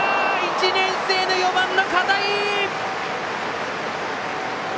１年生、４番の片井！